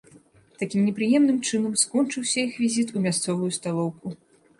Такім непрыемным чынам скончыўся іх візіт у мясцовую сталоўку.